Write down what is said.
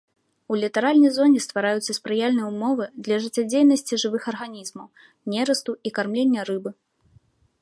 У літаральнай зоне ствараюцца спрыяльныя ўмовы для жыццядзейнасці жывых арганізмаў, нерасту і кармлення рыбы.